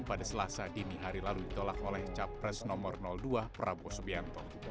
pada selasa dini hari lalu ditolak oleh capres nomor dua prabowo subianto